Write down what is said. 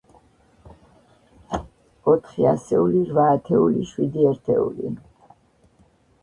ოთხი ასეული, რვა ათეული, შვიდი ერთეული.